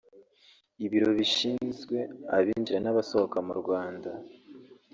Ibiro bishinzwe abinjira n’abasohoka mu Rwanda